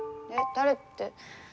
誰って。